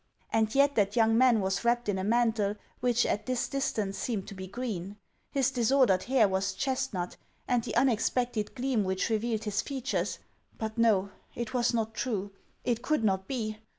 And yet that young man was wrapped in a mantle which at this distance seemed to be green ; his disordered hair was chestnut, and the unexpected gleam which re vealed his features — But no ; it was not true. It could not be